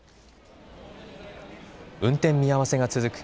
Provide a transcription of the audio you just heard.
運転見合わせが続く